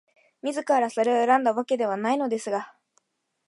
自らそれを選んだわけではないのですが、